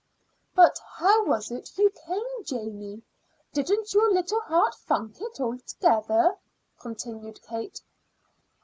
"But how was it you came, Janey? Didn't your little heart funk it altogether?" continued Kate.